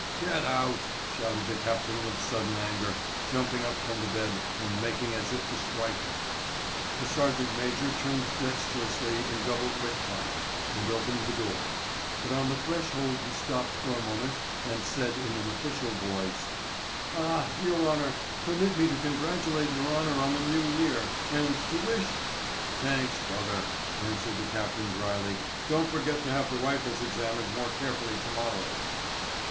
"Get out!" shouted the captain with sudden anger, jumping up from the bed and making as if to strike him. The sergeant major turned dexterously in double quick time, and opened the door. But on the threshold he stopped for a moment and said in an official voice, "Ah, your honour, permit me to congratulate your honour on the New Year, and to wish...." "Thanks, brother," answered the captain dryly. "Don't forget to have the rifles examined more carefully to morrow."